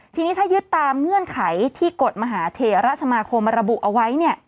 ทีนี้ถ้ายึดตามเงื่อนไขที่กฎมหาเถระสมาคมระบุเอาไว้